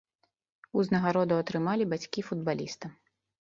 Узнагароду атрымалі бацькі футбаліста.